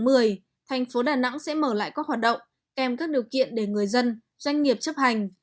tháng một mươi thành phố đà nẵng sẽ mở lại các hoạt động kèm các điều kiện để người dân doanh nghiệp chấp hành